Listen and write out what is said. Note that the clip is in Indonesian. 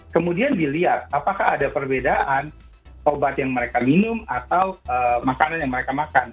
kemudian dilihat apakah ada perbedaan obat yang mereka minum atau makanan yang mereka makan